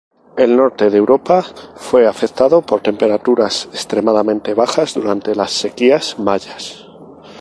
El norte de Europa fue afectado por temperaturas extremadamente bajas durante las sequías mayas.